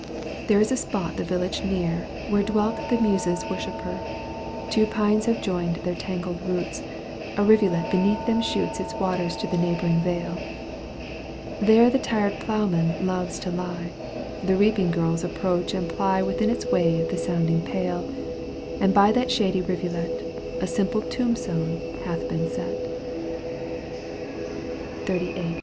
There is a spot the village near Where dwelt the Muses' worshipper, •>/, Two pines have joined their tangled roots, A rivulet beneath them shoots Its waters to the neighbouring vale. There the tired ploughman loves to lie, The reaping girls approach and ply Within its wave the sounding pail, And by that shady rivulet A simple tombstone hath been set. XXXVIII.